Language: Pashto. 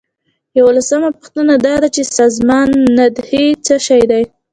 یوولسمه پوښتنه دا ده چې سازماندهي څه شی ده.